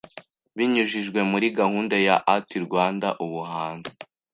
binyujijwe muri gahunda ya ArtRwanda – Ubuhanzi